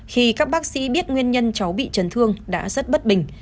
khi các bác sĩ biết nguyên nhân cháu bị chấn thương đã rất bất bình